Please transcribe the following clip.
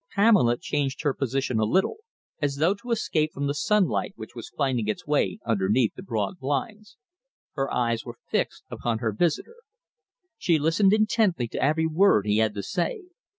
Pamela changed her position a little, as though to escape from the sunlight which was finding its way underneath the broad blinds. Her eyes were fixed upon her visitor. She listened intently to every word he had to say.